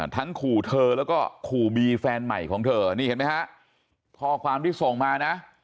ขู่เธอแล้วก็ขู่บีแฟนใหม่ของเธอนี่เห็นไหมฮะข้อความที่ส่งมานะ